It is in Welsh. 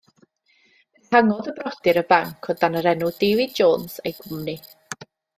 Ehangodd y brodyr y banc o dan yr enw David Jones a'i Gwmni.